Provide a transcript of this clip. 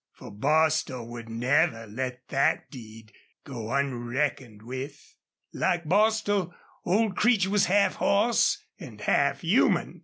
For Bostil would never let that deed go unreckoned with. Like Bostil, old Creech was half horse and half human.